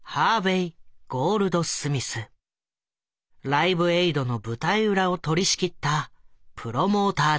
「ライブエイド」の舞台裏を取りしきったプロモーターだ。